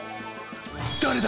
誰だ？